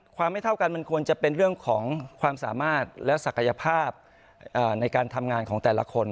ไม่เท่ากันมันควรจะเป็นเรื่องของความสามารถและศักยภาพในการทำงานของแต่ละคน